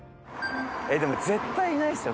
でも絶対いないですよ